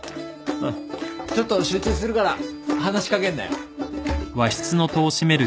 ちょっと集中するから話し掛けんなよ。